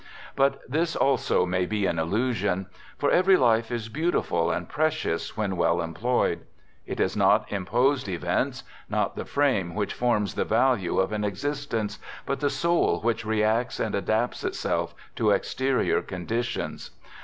But this also may be an illusion. ... For every f life is beautiful and precious when well employed. I It is not imposed events, not the frame which forms the value of an existence, but the soul which reacts and adapts itself to exterior conditions.